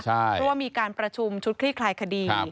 เพราะว่ามีการประชุมชุดคลี่คลายคดี